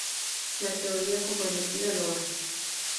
La Teoría Comprometida lo hace.